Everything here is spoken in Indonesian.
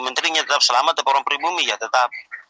menterinya tetap selamat atau orang pribumi ya tetap